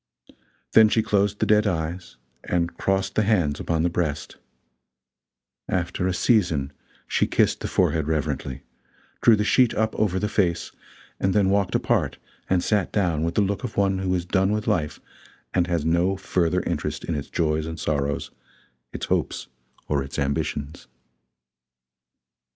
Then she closed the dead eyes, and crossed the hands upon the breast; after a season, she kissed the forehead reverently, drew the sheet up over the face, and then walked apart and sat down with the look of one who is done with life and has no further interest in its joys and sorrows, its hopes or its ambitions.